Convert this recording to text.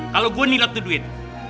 kalau gua nilai tuh duit